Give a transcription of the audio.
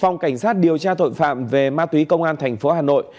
phòng cảnh sát điều tra tội phạm về ma túy công an thành phố hà nội